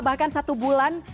bahkan satu bulan